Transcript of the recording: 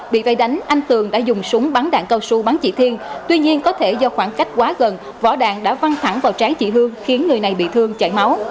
bị vây đánh anh tường đã dùng súng bắn đạn cao su bắn chị thiên tuy nhiên có thể do khoảng cách quá gần võ đạn đã văn thẳng vào trái chị hương khiến người này bị thương chạy máu